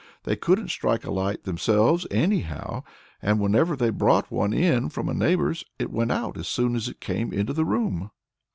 They couldn't strike a light themselves anyhow, and whenever they brought one in from a neighbor's, it went out as soon as it came into the room.